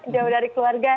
jauh dari keluarga